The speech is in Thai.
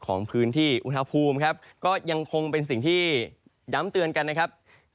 ของพื้นที่อุณหภูมิครับก็ยังคงเป็นสิ่งที่ย้ำเตือนกันนะครับ